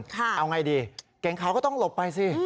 เอาไงดีเก๋งขาวก็ต้องหลบไปสิ